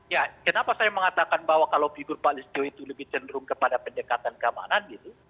ya kenapa saya mengatakan bahwa kalau figur pak listio itu lebih cenderung kepada pendekatan keamanan gitu